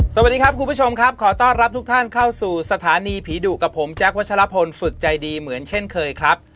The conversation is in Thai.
สวัสดีครับคุณผู้ชมครับขอต้อนรับทุกท่านเข้าสู่สถานีผีดุกับผมแจ๊ควัชลพลฝึกใจดีเหมือนเช่นเคยครับ